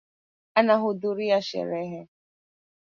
Anahudhuria sherehe.